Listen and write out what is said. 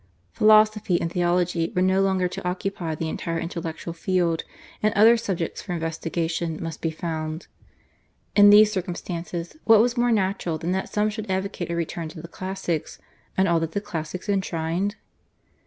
Philosophy and theology were no longer to occupy the entire intellectual field, and other subjects for investigation must be found. In these circumstances what was more natural than that some should advocate a return to the classics and all that the classics enshrined?